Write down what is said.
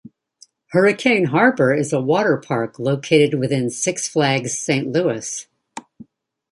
Hurricane Harbor is a water park located within Six Flags Saint Louis.